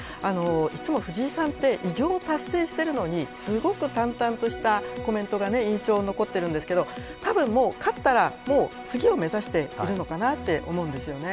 いつも藤井さんって偉業達成してるのにすごく淡々としたコメントが印象に残っているんですがたぶん、勝ったら次を目指しているのかなと思うんですよね。